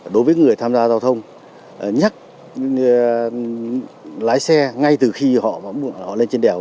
đối với người tham gia giao thông nhắc lái xe ngay từ khi họ lên trên đèo